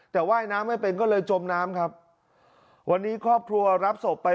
แต่ว่ายน้ำไม่เป็นก็เลยจมน้ำครับวันนี้ครอบครัวรับศพไป